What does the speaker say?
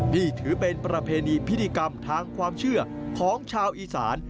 นี่ถือเป็นประเพณีพิธีกรรมทางความเชื่อของชาวอีสาน